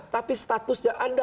tapi statusnya anda